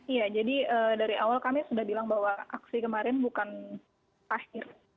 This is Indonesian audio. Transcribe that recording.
iya jadi dari awal kami sudah bilang bahwa aksi kemarin bukan akhir